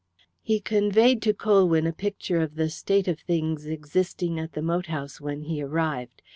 He conveyed to Colwyn a picture of the state of things existing at the moat house when he arrived.